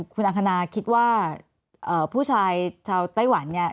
คุณอังคณาคิดว่าผู้ชายชาวไต้หวันเนี่ย